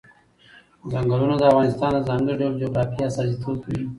چنګلونه د افغانستان د ځانګړي ډول جغرافیه استازیتوب کوي.